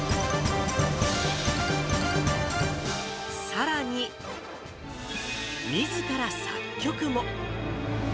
さらに、みずから作曲も。